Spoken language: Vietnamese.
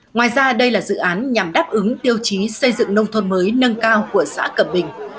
ngoài ra đây là dự án nhằm đáp ứng tiêu chí xây dựng nông thôn mới nâng cao của xã cẩm bình